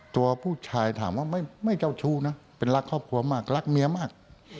ตัวผู้ชายถามว่าไม่เจ้าชู้นะเป็นรักครอบครัวมากรักเมียมาก